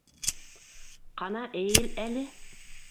Ҡана, эйел әле.